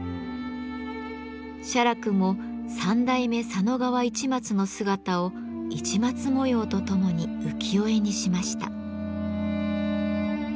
写楽も三代目・佐野川市松の姿を市松模様とともに浮世絵にしました。